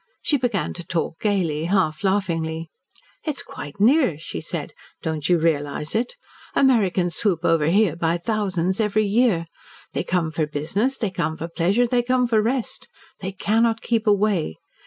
She began to talk gaily, half laughingly. "It is quite near," she said. "Don't you realise it? Americans swoop over here by thousands every year. They come for business, they come for pleasure, they come for rest. They cannot keep away.